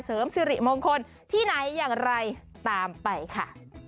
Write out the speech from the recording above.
เสริมสิริมงคลที่ไหนอย่างไรตามไปค่ะ